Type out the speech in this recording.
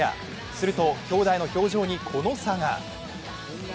するときょうだいの表情にこの差が。